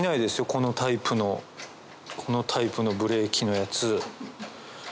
このタイプのこのタイプのブレーキのやつ。